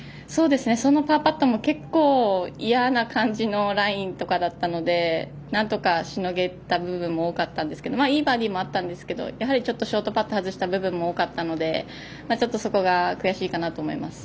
そのパーパットも結構、嫌な感じのラインとかだったのでなんとか、しのげた部分も多かったんですけどいいバーディーもあったんですがショートパットを外した部分も多かったのでそこが悔しいかなと思います。